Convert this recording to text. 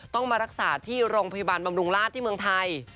ต้องมารักษาที่โรงพยาบาลบำรุงราชที่เมืองไทย